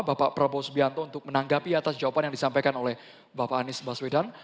bapak prabowo subianto untuk menanggapi atas jawaban yang disampaikan oleh bapak anies baswedan